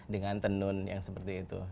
dengan tenun yang seperti itu